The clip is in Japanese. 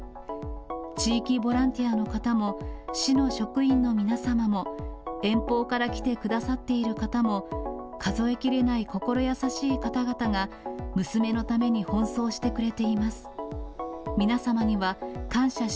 地域ボランティアの方も、市の職員の皆様も、遠方から来てくださっている方も、数えきれない心優しい方々が、娘のために奔走してくれています。